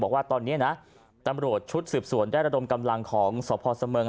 บอกว่าตอนนี้นะตำรวจชุดสืบสวนได้ระดมกำลังของสพเสมิง